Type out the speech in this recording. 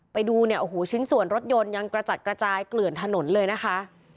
ไปดูเนี่ยโอ้โหชิ้นส่วนรถยนต์ยังกระจัดกระจายเกลื่อนถนนเลยนะคะ